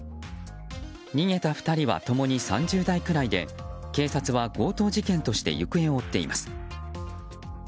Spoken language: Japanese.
逃げた２人は共に３０代くらいで警察は強盗事件として行方を追っています。